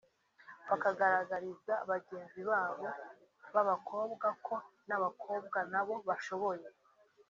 bakagaragariza bagenzi babo b’abakobwa ko n’abakobwa nabo bashoboye